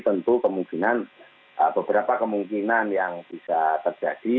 tentu kemungkinan beberapa kemungkinan yang bisa terjadi